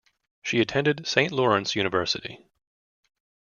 She attended Saint Lawrence University.